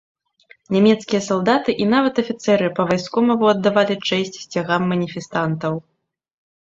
Нямецкія салдаты і нават афіцэры па-вайсковаму аддавалі чэсць сцягам маніфестантаў.